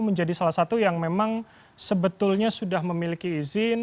menjadi salah satu yang memang sebetulnya sudah memiliki izin